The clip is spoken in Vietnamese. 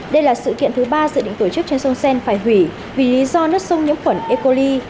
đây là sự kiện thứ ba dự định tổ chức trên sông seine phải hủy vì lý do nước sông nhấm khuẩn e coli